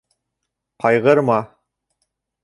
Ҡайғырма.